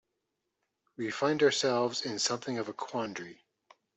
We find ourselves in something of a quandary.